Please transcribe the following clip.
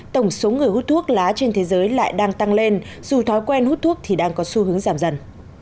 tổng số người hút thuốc lá trên thế giới lại đang tăng lên dù thói quen hút thuốc thì đang có xu hướng giảm dần